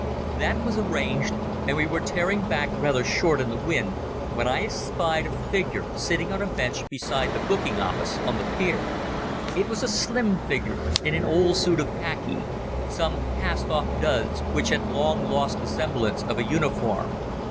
That was arranged, and we were tearing back rather short in the wind when I espied a figure sitting on a bench beside the booking office on the pier. It was a slim figure, in an old suit of khaki: some cast off duds which had long lost the semblance of a uniform.